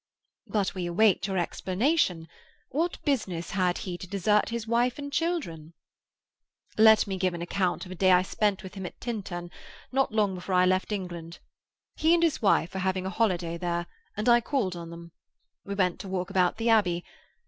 "But we await your explanation. What business has he to desert his wife and children?" "Let me give an account of a day I spent with him at Tintern, not long before I left England. He and his wife were having a holiday there, and I called on them. We went to walk about the Abbey.